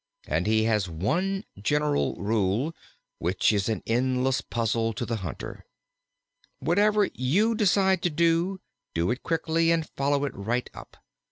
And he has one general rule, which is an endless puzzle to the hunter: "Whatever you decide to do, do it quickly and follow it right up."